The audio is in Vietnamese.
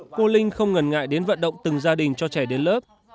cô linh không ngần ngại đến vận động từng gia đình cho trẻ đến lớp